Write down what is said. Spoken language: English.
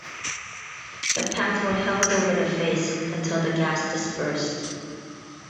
The pads were held over the face until the gas dispersed.